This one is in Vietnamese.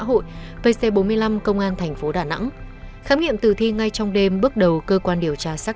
hội pc bốn mươi năm công an thành phố đà nẵng khám nghiệm tử thi ngay trong đêm bước đầu cơ quan điều tra xác